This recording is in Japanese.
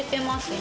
今。